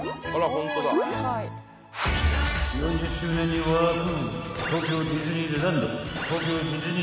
［４０周年に沸く］